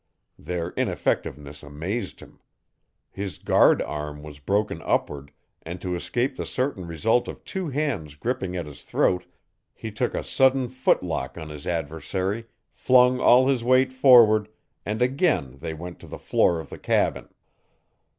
Their ineffectiveness amazed him. His guard arm was broken upward, and to escape the certain result of two hands gripping at his throat he took a sudden foot lock on his adversary, flung all his weight forward, and again they went to the floor of the cabin.